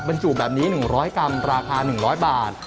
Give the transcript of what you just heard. บรรจุแบบนี้๑๐๐กรัมราคา๑๐๐บาท